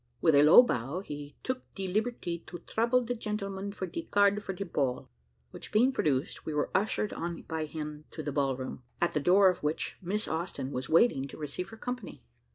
With a low bow, he "took de liberty to trouble de gentlemen for de card for de ball," which being produced, we were ushered on by him to the ball room, at the door of which Miss Austin was waiting to receive her company.